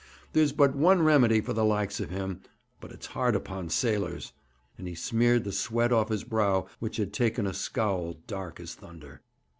There's but one remedy for the likes of him, but it's hard upon sailors;' and he smeared the sweat off his brow, which had taken a scowl dark as thunder.